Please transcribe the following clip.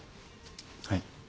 はい。